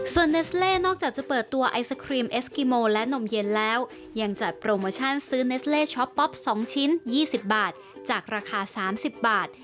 ส่วนเนสเล่นอกจากจะเปิดตัวไอศครีมเอสกิโมและนมเย็นแล้วยังจัดโปรโมชั่นซื้อเนสเล่ช็อปป๊อป๒ชิ้น๒๐บาทจากราคา๓๐บาท